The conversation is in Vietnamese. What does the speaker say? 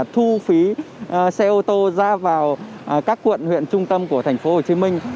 thu phí xe ô tô ra vào các quận huyện trung tâm của thành phố hồ chí minh